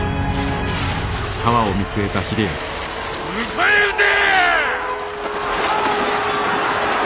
迎え撃て！